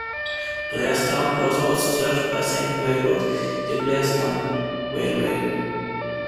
Blairstown was also served by a second railroad, the Blairstown Railway.